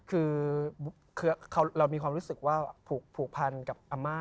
คือเรามีความรู้สึกว่าผูกพันกับอาม่า